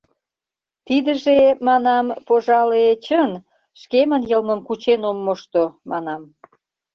— Тидыже, манам, пожале, чын, шкемын йылмым кучен ом мошто, манам.